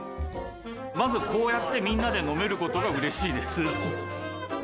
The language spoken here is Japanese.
まずこうやってみんなで飲めることがうれしいです。